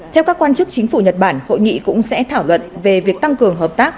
theo các quan chức chính phủ nhật bản hội nghị cũng sẽ thảo luận về việc tăng cường hợp tác